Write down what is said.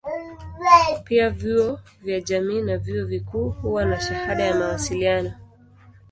Pia vyuo vya jamii na vyuo vikuu huwa na shahada ya mawasiliano.